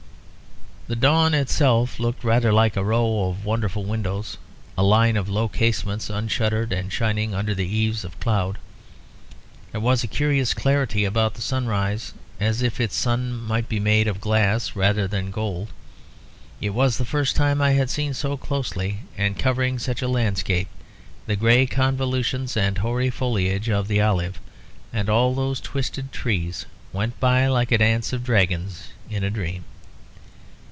The dawn itself looked rather like a row of wonderful windows; a line of low casements unshuttered and shining under the eaves of cloud. There was a curious clarity about the sunrise; as if its sun might be made of glass rather than gold. It was the first time I had seen so closely and covering such a landscape the grey convolutions and hoary foliage of the olive; and all those twisted trees went by like a dance of dragons in a dream.